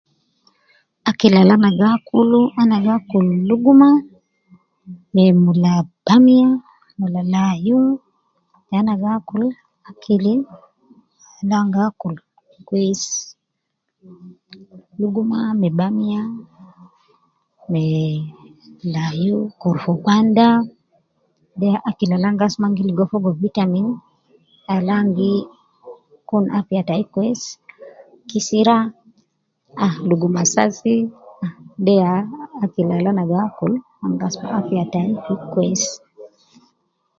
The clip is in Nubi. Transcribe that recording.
Akil al ana gi akulu, ana gi akul luguma me mula bamia, mula layu, ya ana gi akul akili al ana gi akul kwesi, luguma me bamia me, layu korofo gwanda, de ya akil al ana gi asuma an gi ligo fogo vitamins al an gi kun afiya tai kwesi ,kisira, ah luguma sasi, de ya akil al ana gi akul an gi asuma afiya tai fi kwesi